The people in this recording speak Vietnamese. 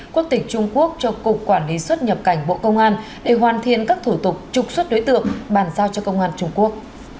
quốc tịch trung quốc cho cục quản lý xuất nhập cảnh bộ công an để hoàn thiện các thủ tục trục xuất đối tượng bàn giao cho công an trung quốc